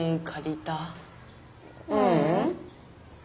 ううん。